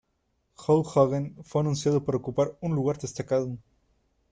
Hulk Hogan fue anunciado para ocupar un lugar destacado.